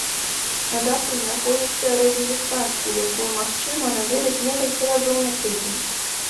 На даху знаходзіцца радыёстанцыя, якую магчыма наведаць некалькі разоў на тыдзень.